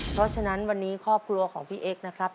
เพราะฉะนั้นวันนี้ครอบครัวของพี่เอ็กซ์นะครับ